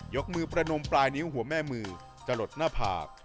กมือประนมปลายนิ้วหัวแม่มือจะหลดหน้าผาก